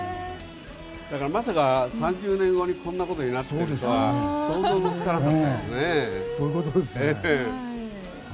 だからまさか３０年後にこんなことになっているとは想像もつかなかったよね。